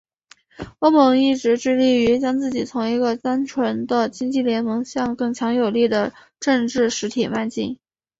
欧盟一直致力于将自己从一个单纯的经济联盟向更强有力的政治实体迈进。